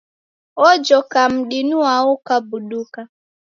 Ojoka m'di nwao ukabuduka.